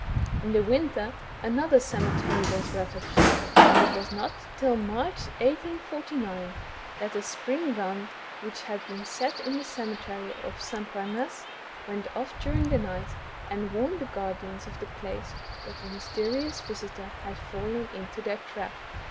In the winter, another cemetery was ravaged, and it was not till March in 1849, that a spring gun which had been sot in the cemetery of S. Pamasse, went off during the night, and warned the guardians of the place that the mysterious visitor had fallen into* their trap.